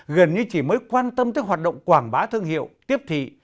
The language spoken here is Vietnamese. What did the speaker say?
gần như chỉ mới quan tâm tới hoạt động quảng bá thương hiệu tiếp thị